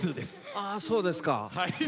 ああ、そうですか。